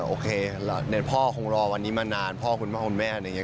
โอเคแล้วพ่อคงรอวันนี้มานานพ่อคุณมาของแม่อย่างนี้